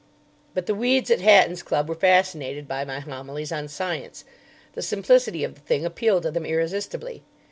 But the weeds at Hatton's Club were fascinated by my homilies on science. The simplicity of the thing appealed to them irresistibly.